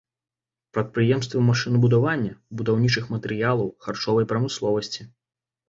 Прадпрыемствы машынабудавання, будаўнічых матэрыялаў, харчовай прамысловасці.